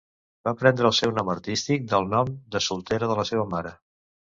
Va prendre el seu nom artístic del nom de soltera de la seva mare.